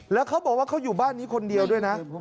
แล้วเขาบอกว่าเขาอยู่บ้านนี้คนเดียวด้วยนะ